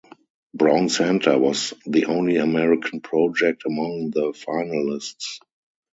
Brown Center was the only American project among the finalists.